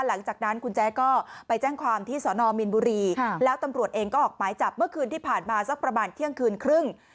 หลังจากนั้นคุณแจ๊ก็ไปแจ้งความที่สอนอมมีนบุรีแล้วตำรวจเองก็ออกหมายจับเมื่อคืนที่ผ่านมาสักประมาณเที่ยงคืนครึ่ง